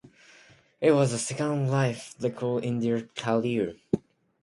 It was the second live record in their career.